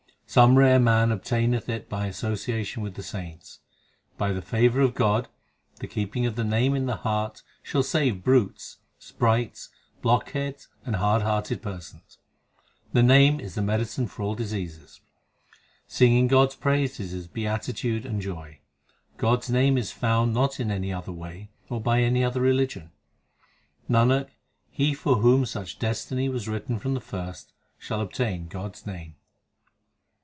Some rare man obtaineth it by association with the saints. By the favour of God, the keeping of the Name in the heart Shall save brutes, sprites, blockheads and hard hearted persons. 2 The Name is the medicine for all diseases ; Singing God s praises is beatitude and joy. God s name is found not in any other way or by any other religion. Nanak, he for whom such destiny was written from the first, shall obtain God s name.